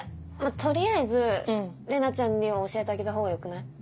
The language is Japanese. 取りあえず玲奈ちゃんには教えてあげたほうがよくない？